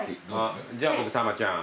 じゃ僕タマちゃん。